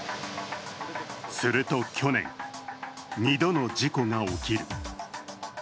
すると去年、２度の事故が起きる。